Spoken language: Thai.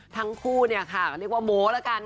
ทั้งคู่เนี่ยค่ะก็เรียกว่าโม้ละกัน